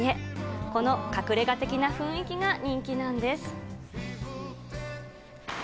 この隠れが的な雰囲気が人気なんです。